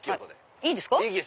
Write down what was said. いいですか？